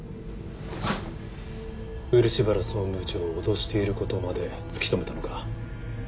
漆原総務部長を脅している事まで突き止めたのか？